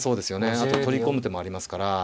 あと取り込む手もありますから。